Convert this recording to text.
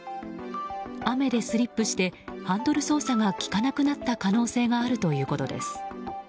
雨でスリップしてハンドル操作が利かなくなった可能性があるということです。